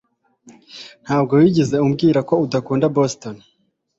ntabwo wigeze umbwira ko udakunda boston